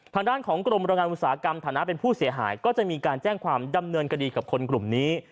ทางด้านของกรมโรงงานอุตสาหกรรมฐานะเป็นผู้เสียหายก็จะมีการแจ้งความดำเนินคดีกับคนกลุ่มนี้